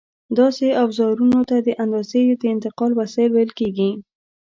داسې اوزارونو ته د اندازې د انتقال وسایل ویل کېږي.